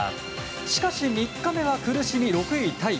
しかし、３日目は苦しみ６位タイ。